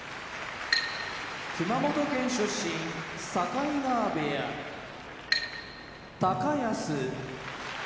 熊本県出身境川部屋高安